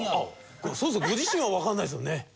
そもそもご自身はわかんないですよね？